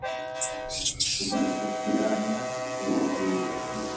ugasukiranya urugwiro